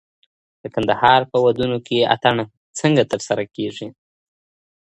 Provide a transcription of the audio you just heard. د کندهار په ودونو کي اتڼ څنګه ترسره کيږي؟